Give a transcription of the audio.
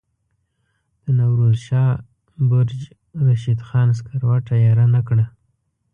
د نوروز شاه برج رشید خان سکروټه ایره نه کړه.